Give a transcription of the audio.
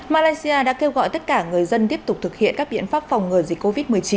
malaysia đã kêu gọi tất cả người dân tiếp tục thực hiện các biện pháp phòng ngừa dịch covid một mươi chín